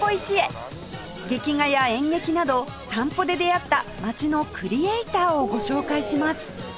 劇画や演劇など散歩で出会った街のクリエーターをご紹介します